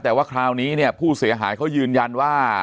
แต่ว่าคราวนี้เนี่ยผู้เสียหายเขายืนยันว่า